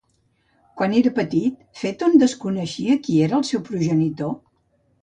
Quan era petit, Faetont desconeixia qui era el seu progenitor?